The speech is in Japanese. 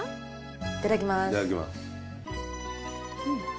いただきます。